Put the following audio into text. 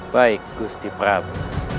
baik gusti prabu